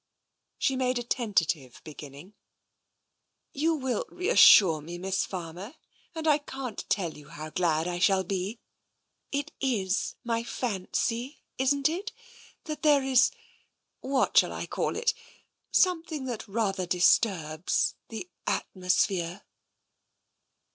She made tentative beginning: " You will reassure me, Miss Farmer, and I can't tell you how glad I shall be. It is my fancy, isn't it, that there is — what shall I call it ?— something that rather disturbs — in the atmosphere